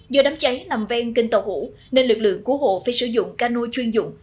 do đám cháy nằm ven kênh tàu hủ nên lực lượng cứu hộ phải sử dụng cano chuyên dụng